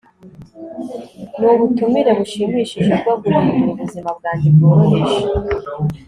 ni ubutumire bushimishije bwo guhindura ubuzima bwanjye bworoheje